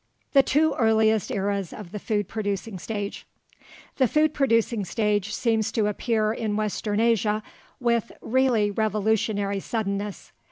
THE TWO EARLIEST ERAS OF THE FOOD PRODUCING STAGE The food producing stage seems to appear in western Asia with really revolutionary suddenness.